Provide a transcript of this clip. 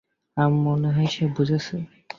আমার মনে হয় সে বুঝেছে।